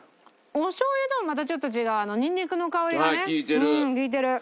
おしょう油ともまたちょっと違うニンニクの香りがね利いてる。